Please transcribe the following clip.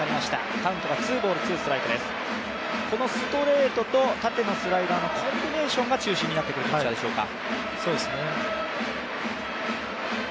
このストレートと縦のスライダーのコンビネーションが中心になってくるピッチャーでしょうか。